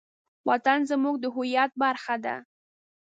وطن زموږ د هویت برخه ده.